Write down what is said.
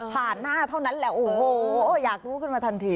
หน้าเท่านั้นแหละโอ้โหอยากรู้ขึ้นมาทันที